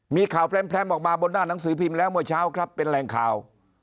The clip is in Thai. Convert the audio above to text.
มีข่าวแพร่มออกมาบนหน้าหนังสือพิมพ์แล้วเมื่อเช้าครับเป็นแรงข่าว